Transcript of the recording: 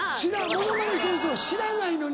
モノマネしてる人を知らないのに？